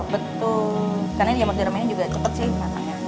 betul karena jamur tiramnya juga cepet sih matangnya